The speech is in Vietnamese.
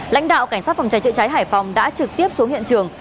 lãnh đạo cảnh sát phòng cháy chữa cháy hải phòng đã trực tiếp xuống hiện trường